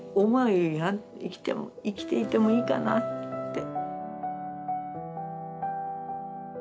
生きても生きていてもいいかなって。